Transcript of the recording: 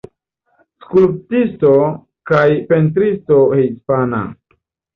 Skulptisto kaj pentristo hispana.